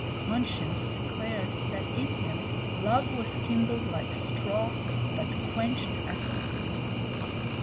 Conscience declared that in him love was kindled like straw, but quenched as quickly.